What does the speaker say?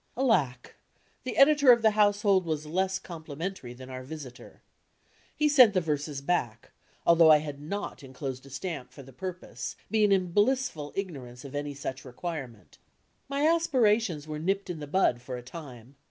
Alack! the editor of The Household was less complimen tary than our visitor. He sent the verses back, although I had not ' 'enclosed a stamp" for the purpose, being in blissful ignorance of any such requirement. My aspirations were nipped in the bud for a time.